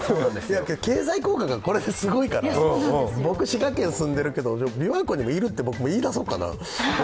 経済効果がこれですごいから僕、滋賀県住んでるけどびわ湖にもいるって僕、言い出そうかな。